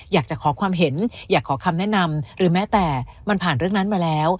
อยากจะขอความเห็นอยากขอคำแนะนำหรือแม้แต่มันผ่านเรื่องนั้นมาแล้ว